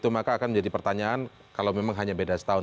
maka akan menjadi pertanyaan kalau memang hanya beda setahun